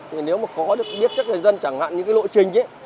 thì nếu mà có được biết chắc là dân chẳng hạn những cái lộ trình ấy